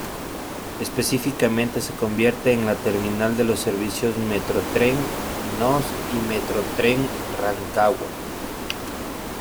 Específicamente se convierte en la terminal de los servicios Metrotren Nos y Metrotren Rancagua.